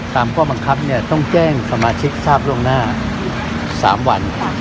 สามข้อบางคับเนี่ยต้องแจ้งสมาชิกทราบลงหน้าสามบ้าน